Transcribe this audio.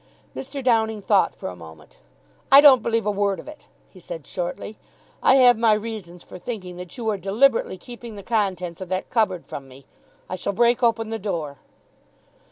Mr. Downing thought for a moment. "I don't believe a word of it," he said shortly. "I have my reasons for thinking that you are deliberately keeping the contents of that cupboard from me. I shall break open the door."